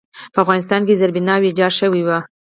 په افغانستان کې زېربنا ویجاړه شوې وه.